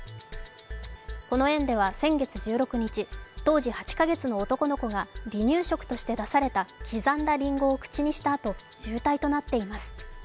この園では先月１６日、当時８か月の男の子が離乳食として出された刻んだりんごを口にしたあと重体となっています。